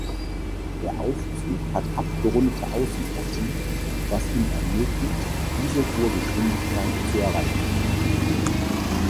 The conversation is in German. Der Aufzug hat abgerundete Außenkanten, was ihm ermöglicht, diese hohe Geschwindigkeit zu erreichen.